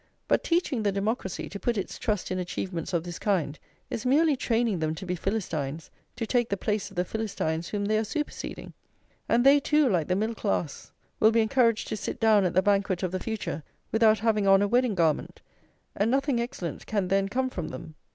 But teaching the democracy to put its trust in achievements of this kind is merely training them to be Philistines to take the place of the Philistines whom they are superseding; and they too, like the middle class, will be encouraged to sit down at the banquet of the future without having on a wedding garment, and nothing excellent can then come from them.